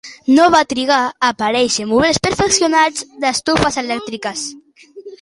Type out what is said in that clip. No van trigar a aparèixer models perfeccionats d'estufes elèctriques.